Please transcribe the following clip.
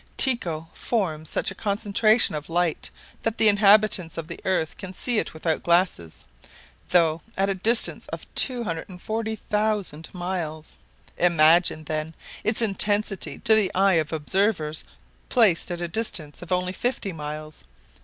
Tycho forms such a concentration of light that the inhabitants of the earth can see it without glasses, though at a distance of 240,000 miles! Imagine, then, its intensity to the eye of observers placed at a distance of only fifty miles!